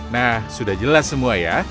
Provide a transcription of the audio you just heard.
nah sudah jelas semua ya